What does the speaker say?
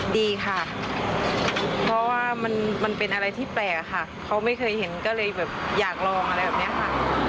ดีค่ะเพราะว่ามันเป็นอะไรที่แปลกอะค่ะเขาไม่เคยเห็นก็เลยแบบอยากลองอะไรแบบนี้ค่ะ